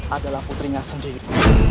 adalah putrinya sendiri